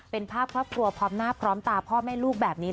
เป็นภาพครอบครัวพร้อมหน้าพร้อมตาพ่อแม่ลูกแบบนี้